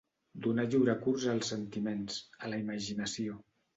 Donar lliure curs als sentiments, a la imaginació.